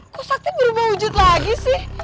kok sakti berubah wujud lagi sih